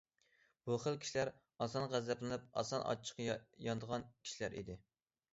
بۇ خىل كىشىلەر ئاسان غەزەپلىنىپ ئاسان ئاچچىقى يانىدىغان كىشىلەر ئىدى.